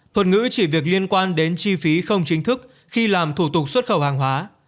thuật ngữ chỉ việc liên quan đến chi phí không chính thức khi làm thủ tục xuất khẩu hàng hóa